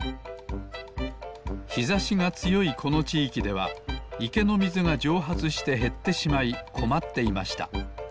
ひざしがつよいこのちいきではいけのみずがじょうはつしてへってしまいこまっていました